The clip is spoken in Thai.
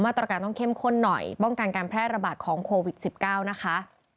ตรการต้องเข้มข้นหน่อยป้องกันการแพร่ระบาดของโควิด๑๙นะคะ